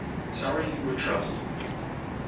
Sorry you were troubled.